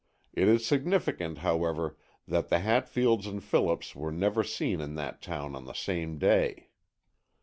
It is significant, however, that the Hatfields and Phillips were never seen in that town on the same day.